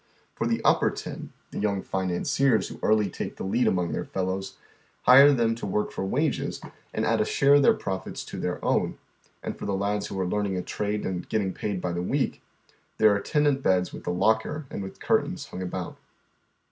For the " upper ten," the yonng financiers who early take the lead among their fel lows, hire them to work for wages and add a share of their profits to their own, and for the lads who are learn t',^,^,.l,. 204 HOW THE OTHER HALF LIVES. ing a trade and getting paid by the week, there are ten. cent beds with a locker and with curtains hung about.